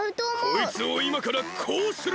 こいつをいまからこうする！